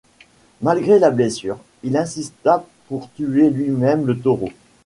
Malgré la blessure, il insista pour tuer lui-même le taureau.